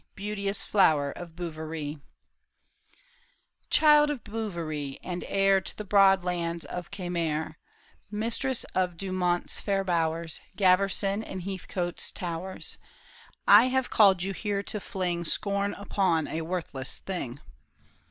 Beauteous flower of Bouverie !" Child of Bouverie, and heir To the broad lands of Quemair ; Mistress of Dumont's fair bowers, Gaverson and Heathcote's towers ; I have called you here to fling Scorn upon a worthless thing."